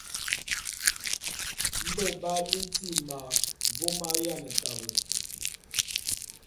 Mbé b'aye liti ma vôm m'ayiane tabe.